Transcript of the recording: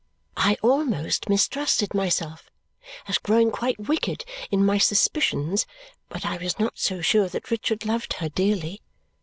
I almost mistrusted myself as growing quite wicked in my suspicions, but I was not so sure that Richard loved her dearly.